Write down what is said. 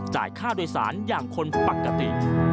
จ่ายฆ่าโดยสารอย่างคนปกติ